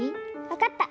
わかった。